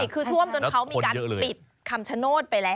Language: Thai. คือท่วมจนเขามีการปิดคำชโนธไปแล้ว